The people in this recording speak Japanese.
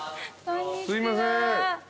すいません